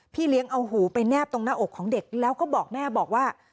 เลี้ยงเอาหูไปแนบตรงหน้าอกของเด็กแล้วก็บอกแม่บอกว่า